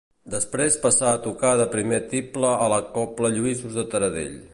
Després passà a tocar de primer tible a la cobla Lluïsos de Taradell.